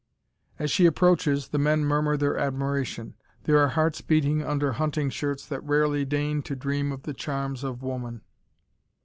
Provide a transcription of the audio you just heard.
As she approaches, the men murmur their admiration. There are hearts beating under hunting shirts that rarely deign to dream of the charms of woman.